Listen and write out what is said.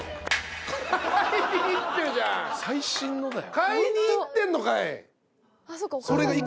買いに行ってんのかい。